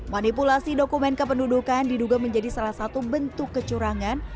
manipulasi dokumen kependudukan diduga menjadi salah satu bentuk kecurangan